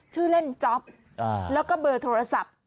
ชื่อเล่นจ๊อปแล้วก็เบอร์โทรศัพท์